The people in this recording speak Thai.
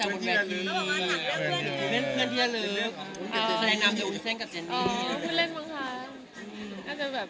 เหมือนเขาจะละข้างเล่นเบล็ค